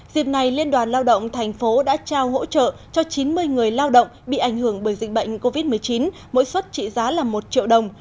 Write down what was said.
dịp này liên đoàn lao động thành phố đã trao hỗ trợ cho chín mươi người lao động bị ảnh hưởng bởi dịch bệnh covid một mươi chín mỗi xuất trị giá là một triệu đồng